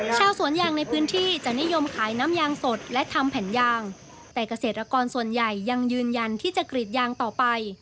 ชาวสวนยางในพื้นที่จะนิยมขายน้ำยางสดและทำแผ่นยางแต่เกษตรกรส่วนใหญ่ยังยืนยันที่จะกรีดยางต่อไป